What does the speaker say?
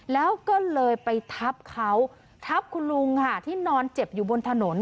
แล้วก็เลยไปทับเขาทับคุณลุงค่ะที่นอนเจ็บอยู่บนถนน